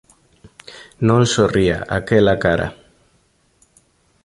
Non sorría, aquela cara.